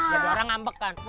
ya diorang ngambek kan